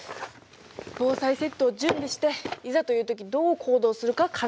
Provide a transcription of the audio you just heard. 防災セットを準備していざという時どう行動するか考えておく。